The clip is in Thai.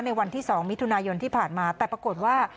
วันที่๒มิถุนายนที่ผ่านมาแต่ปรากฏว่า